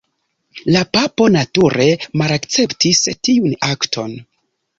La papo nature malakceptis tiun akton.